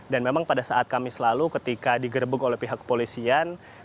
dan memang pada saat kamis lalu ketika digerebek oleh pihak kepolisian